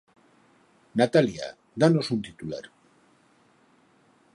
Natalia, danos un titular.